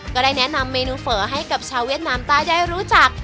ก็ได้แนะนำเมนูเฝอให้กับชาวเวียดนามใต้ได้รู้จัก